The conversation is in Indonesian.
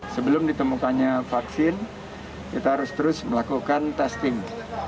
sebelum ditemukannya vaksin kita harus terus melakukan testing